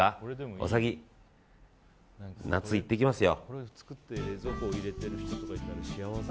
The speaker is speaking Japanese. お先、夏行ってきますよ。